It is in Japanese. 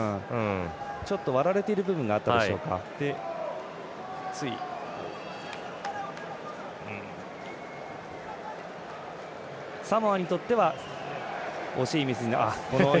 ちょっと割られている部分がサモアにとっては惜しいミス。